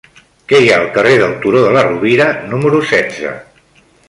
Què hi ha al carrer del Turó de la Rovira número setze?